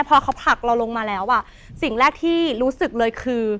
พอเขาผลักเราลงมาแล้วอ่ะสิ่งแรกที่รู้สึกเลยคือ